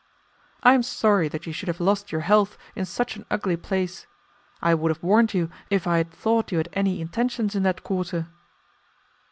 "I am sorry that you should have lost your health in such an ugly place. I would have warned you if I had thought you had any intentions in that quarter."